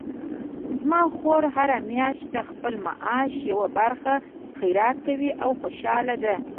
زما خور هره میاشت د خپل معاش یوه برخه خیرات کوي او خوشحاله ده